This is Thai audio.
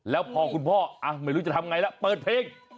แล้วพอคุณพ่อไม่รู้จะทำไงแล้วเปิดเพลง